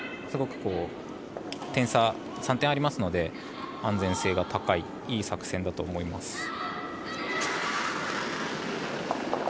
すごく点差が、３点ありますので安全性が高いいい作戦だと思います。